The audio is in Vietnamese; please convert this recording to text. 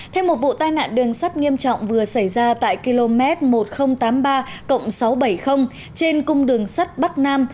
thêm một vụ tai nạn đường sắt nghiêm trọng vừa xảy ra tại km một nghìn tám mươi ba sáu trăm bảy mươi trên cung đường sắt bắc nam